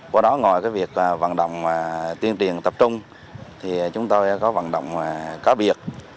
qua đó ngoài việc vận động tuyên truyền tập trung chúng tôi có vận động có biệt